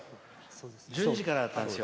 １２時からだったんですよ。